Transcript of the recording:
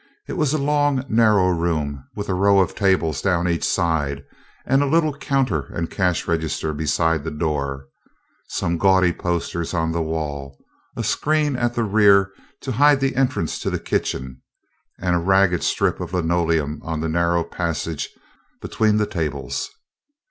It was a long, narrow room with a row of tables down each side, and a little counter and cash register beside the door, some gaudy posters on the wall, a screen at the rear to hide the entrance to the kitchen, and a ragged strip of linoleum on the narrow passage between the tables.